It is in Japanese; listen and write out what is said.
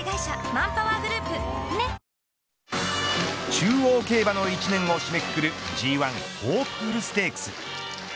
中央競馬の一年を締めくくるＧ１ホープフルステークス。